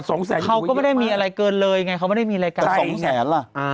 สองแสนเขาก็ไม่ได้มีอะไรเกินเลยไงเขาไม่ได้มีรายการแต่สองแสนล่ะอ่า